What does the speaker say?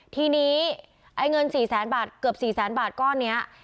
ทีนี้เงิน๔๐๐๐๐๐บาทเกือบ๔๐๐๐๐๐บาทก้อนนี้